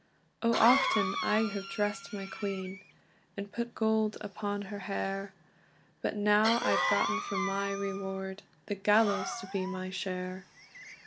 "O, often have I dressd my queen, And put gold upon her hair; But now I've gotten for my reward The gallows to be my share.